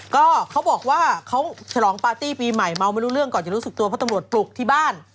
ก็เขาบอกว่าเขาฉลองปาร์ตี้ปีใหม่เมาไม่รู้เรื่องก่อนจะรู้สึกตัวเพราะตำรวจปลุกที่บ้าน